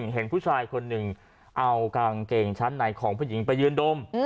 เห็นผู้ชายคนหนึ่งเอากางเกงชั้นในของผู้หญิงไปยืนดม